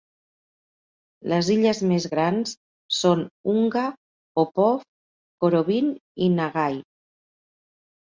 Les illes més grans són Unga, Popof, Korovin i Nagai.